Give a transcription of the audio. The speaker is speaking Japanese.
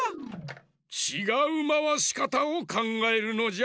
ちがうまわしかたをかんがえるのじゃ。